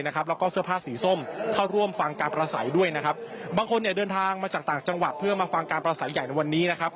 แล้วก็เสื้อผ้าสีส้มเข้าร่วมฟังการประสัยด้วยนะครับบางคนเนี่ยเดินทางมาจากต่างจังหวัดเพื่อมาฟังการประสัยใหญ่ในวันนี้นะครับ